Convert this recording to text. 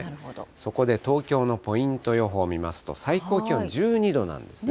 そこで東京のポイント予報を見ますと、最高気温１２度なんですね。